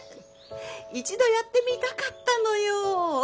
一度やってみたかったのよ。